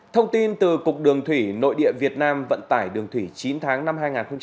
thông tin từ cục đường thủy nội địa việt nam vận tải đường thủy chín tháng năm hai nghìn hai mươi